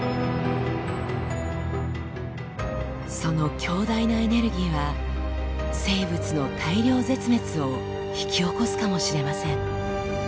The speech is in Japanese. その強大なエネルギーは生物の大量絶滅を引き起こすかもしれません。